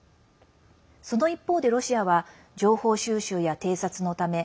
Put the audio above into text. その一方でロシアは情報収集や偵察のため